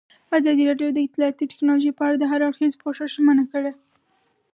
ازادي راډیو د اطلاعاتی تکنالوژي په اړه د هر اړخیز پوښښ ژمنه کړې.